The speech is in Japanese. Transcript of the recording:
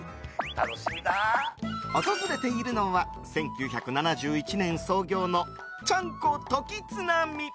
訪れているのは１９７１年創業のちゃんこ時津浪。